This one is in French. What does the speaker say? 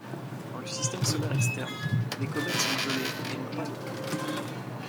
Dans le système solaire externe, les comètes sont gelées et n'ont pas de queue.